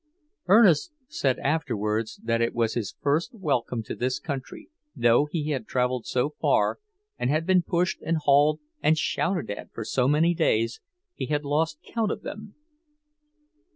Ernest said afterwards that it was his first welcome to this country, though he had travelled so far, and had been pushed and hauled and shouted at for so many days, he had lost count of them.